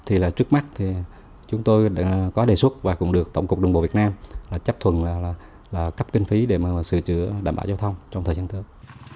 thì trước mắt chúng tôi có đề xuất và cũng được tổng cục đường bộ việt nam chấp thuận cấp kinh phí để sửa chữa đảm bảo giao thông trong thời gian tới